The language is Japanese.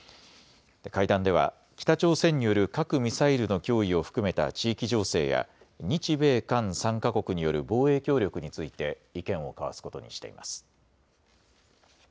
会談では北朝鮮による核・ミサイルの脅威を含めた地域情勢や日米韓３か国による防衛協力について意見を交わすことにしています。